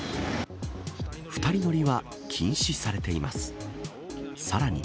２人乗りは禁止されています。